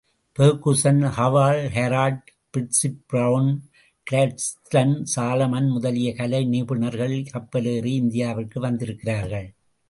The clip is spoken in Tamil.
Ferguson, Havell, Garrett, Percy Brown, Gladstone, Solomon முதலிய கலை நிபுணர்கள் கப்பலேறி இந்தியாவிற்கு வந்திருக்கிறார்கள்.